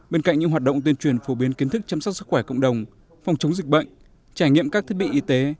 bên cạnh những hoạt động tuyên truyền phổ biến kiến thức chăm sóc sức khỏe cộng đồng phòng chống dịch bệnh trải nghiệm các thiết bị y tế